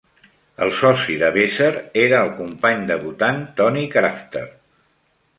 El soci de Weser era el company debutant Tony Crafter.